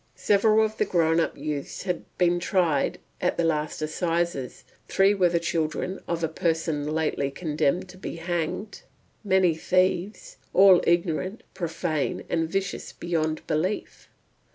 Several of the grown up youths had been tried at the last assizes, three were the children of a person lately condemned to be hanged, many thieves, all ignorant, profane, and vicious beyond belief.